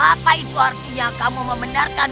apa itu artinya kamu membenarkan